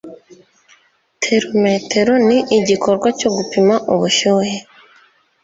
Therometero ni igikoresho cyo gupima ubushyuhe